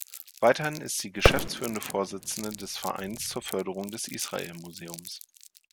Weiterhin ist sie geschäftsführende Vorsitzende des Vereins zur Förderung des Israel Museums.